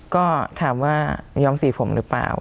ก็อธันไหว่ยอมสีผมหรือเปล่า